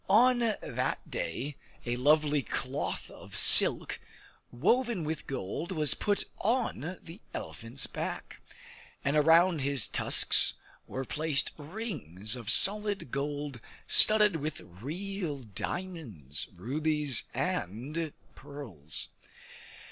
On that day a lovely cloth of silk woven with gold was put on the elephant's back, and around his tusks were placed rings of solid gold studded with real diamonds, rubies, and pearls.